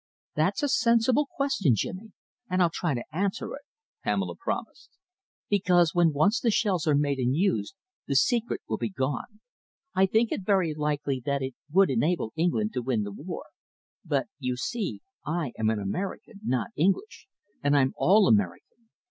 "That's a sensible question, Jimmy, and I'll try to answer it," Pamela promised. "Because when once the shells are made and used, the secret will be gone. I think it very likely that it would enable England to win the war; but, you see, I am an American, not English, and I'm all American.